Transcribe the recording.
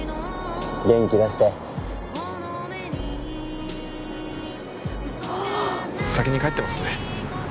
元気だしてあっ先に帰ってますね